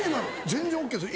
全然ＯＫです。